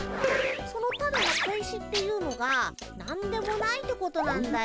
そのただの小石っていうのが何でもないってことなんだよ。